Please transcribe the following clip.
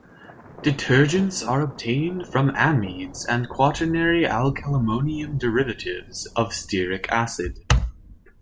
Detergents are obtained from amides and quaternary alkylammonium derivatives of stearic acid.